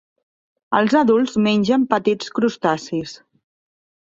Els adults mengen petits crustacis.